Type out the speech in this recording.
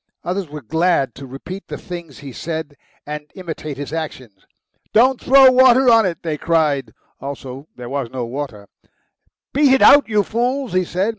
Others were glad to repeat the things he said and imitate his actions. "Don't throw water on it!" they cried. Also there was no water. "Beat it out, you fools!" he said.